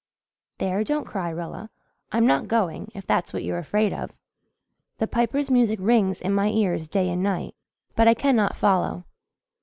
There, don't cry, Rilla. I'm not going if that's what you're afraid of. The Piper's music rings in my ears day and night but I cannot follow."